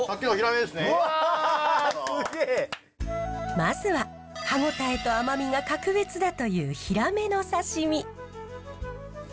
まずは歯応えと甘みが格別だというヒラメの刺身。